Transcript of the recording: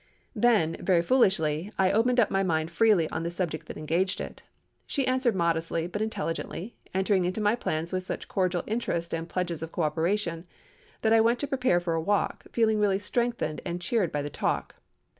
"Then, very foolishly, I opened up my mind freely on the subject that engaged it. She answered modestly, but intelligently, entering into my plans with such cordial interest and pledges of co operation, that I went to prepare for a walk, feeling really strengthened and cheered by the talk.